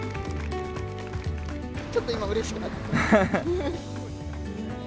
ちょっと今、うれしくなってます。